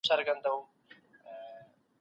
پانګه باید په سمه توګه راټوله سي.